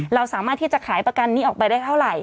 เราสามารถที่จะขายประกันนี้ออกไปได้เท่าไหร่